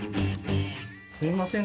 すいません